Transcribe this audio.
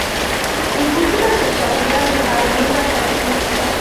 روبوټونه د چاپېریال د څارنې برخه دي.